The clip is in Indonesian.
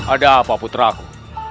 ada apa putraku